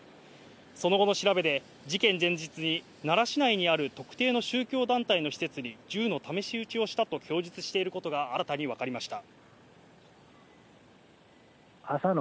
その後の調べで、事件前日に奈良市内にある特定の宗教団体の施設に銃の試し撃ちをしたと供述していることが新たに分かりました。